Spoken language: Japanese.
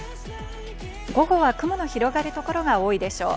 午後は雲の広がる所が多いでしょう。